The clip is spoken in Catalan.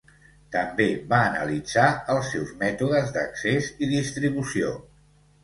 També va analitzar els seus mètodes d'accés i distribució.